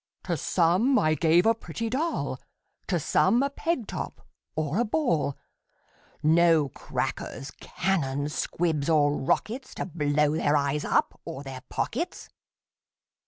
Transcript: To some I gave a pretty doll, To some a peg top, or a ball; No crackers, cannons, squibs, or rockets, To blow their eyes up, or their pockets.